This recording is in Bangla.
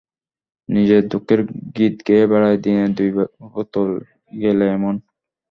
নিজের দুঃখের গীত গেয়ে বেড়ায়, দিনে দুই বোতল গেলে, এমন।